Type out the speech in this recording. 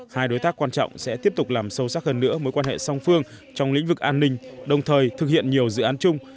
hai đối tác quan trọng sẽ tiếp tục làm sâu sắc hơn nữa mối quan hệ song phương trong lĩnh vực an ninh đồng thời thực hiện nhiều dự án chung